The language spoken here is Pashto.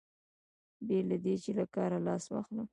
بې له دې چې له کاره لاس واخلم.